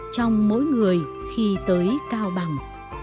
trong mỗi người khi tới cao bằng